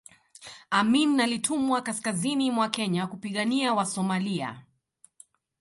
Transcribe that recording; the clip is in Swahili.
amin alitumwa kaskazini mwa kenya kupigania wasomalia